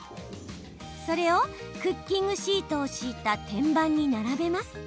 それを、クッキングシートを敷いた天板に並べます。